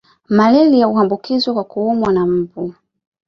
Malaria huambukizwa kwa kuumwa na mbu